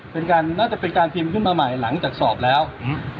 เป็นการน่าจะเป็นการพิมพ์ขึ้นมาใหม่หลังจากสอบแล้วอืม